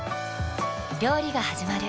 料理がはじまる。